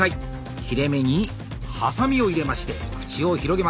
切れ目にハサミを入れまして口を広げます。